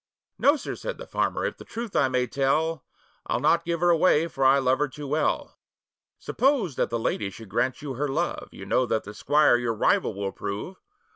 'No, sir,' said the farmer, 'if the truth I may tell, I'll not give her away, for I love her too well' 'Suppose that the lady should grant you her love, You know that the squire your rival will prove.